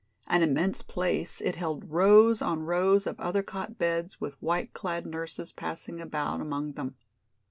An immense place, it held rows on rows of other cot beds with white clad nurses passing about among them.